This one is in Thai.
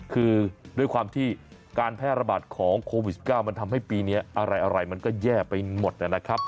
คือด้วยความที่การแพร่ระบาดของโควิด๑๙มันทำให้ปีนี้อะไรมันก็แย่ไปหมดนะครับ